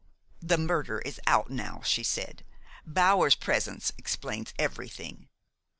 'The murder is out now,' she said. 'Bower's presence explains everything.'